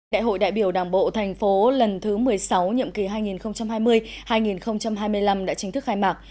đại hội đại biểu đảng bộ thành phố lần thứ một mươi sáu nhiệm kỳ hai nghìn hai mươi hai nghìn hai mươi năm đã chính thức khai mạc